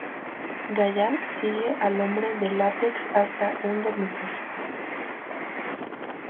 Gallant sigue al hombre de látex hasta un dormitorio.